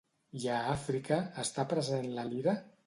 I a Àfrica, està present la lira?